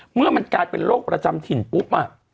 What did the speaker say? เมื่อมันกลายเป็นโรคประจำถิ่นปุ๊บ